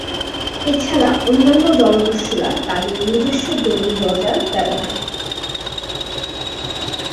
এছাড়া অন্যান্য জলদস্যুরা তাদের নিজস্ব জলি রজার ব্যবহার করত।